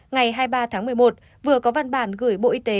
ngày hai mươi ba tháng một mươi một vừa có văn bản gửi bộ y tế